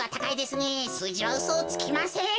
すうじはうそをつきません。